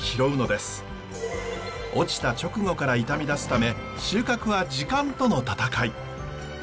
落ちた直後から傷みだすため収穫は時間との闘い。